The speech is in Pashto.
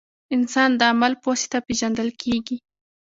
• انسان د عمل په واسطه پېژندل کېږي.